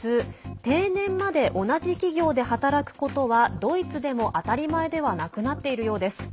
定年まで同じ企業で働くことはドイツでも当たり前ではなくなっているようです。